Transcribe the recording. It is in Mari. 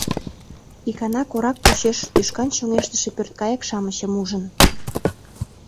Икана корак почеш тӱшкан чоҥештыше пӧрткайык-шамычым ужын.